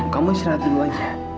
kamu istirahat dulu aja